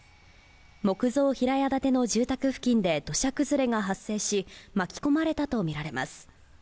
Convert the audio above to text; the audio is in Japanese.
木造平屋建ての住宅付近で土砂崩れが発生し、巻き込まれたとみられます。